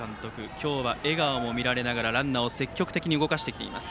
今日は笑顔も見られながらランナーを積極的に動かしてきています。